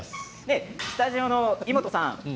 スタジオのイモトさん